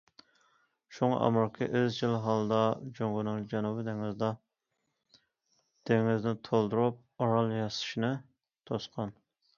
شۇڭا ئامېرىكا ئىزچىل ھالدا جۇڭگونىڭ جەنۇبىي دېڭىزدا دېڭىزنى تولدۇرۇپ ئارال ياسىشىنى توسقان.